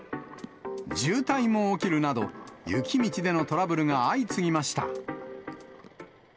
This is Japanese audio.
渋滞も起きるなど、雪道でのトラブルが相次ぎました。